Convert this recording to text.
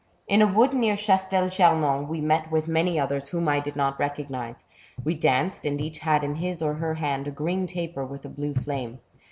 *' In a wood near Chastel Chamon we met with many others whom I did not recognize ; we danced, and each had in his or her hand a green taper with a blue flame.